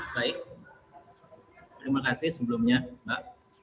baik terima kasih sebelumnya mbak